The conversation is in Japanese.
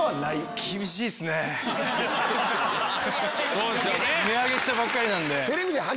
そうですよね。